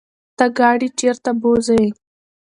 ته ګاډی چرته بوځې؟